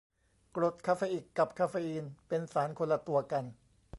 กรดคาเฟอิก กับคาเฟอีน เป็นสารคนละตัวกัน